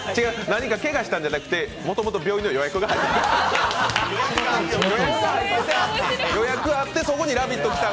何かけがしたんじゃなくてもともと病院の予約が入ってた。